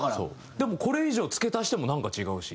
でもこれ以上付け足してもなんか違うし。